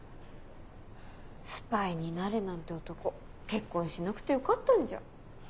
「スパイになれ」なんて男結婚しなくてよかったんじゃ。